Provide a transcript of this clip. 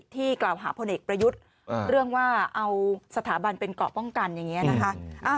ที่กล่าวหาพลเอกประยุทธ์เรื่องว่าเอาสถาบันเป็นเกาะป้องกันอย่างนี้นะคะ